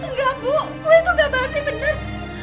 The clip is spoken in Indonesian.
nggak bu kue itu nggak basi bener